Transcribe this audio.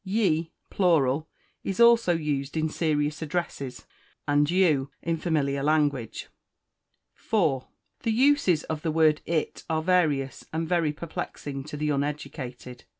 Ye (plural) is also used in serious addresses, and you in familiar language. 4. The uses of the word It are various, and very perplexing to the uneducated.